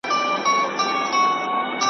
زما په برخه به نن ولي دا ژړاوای `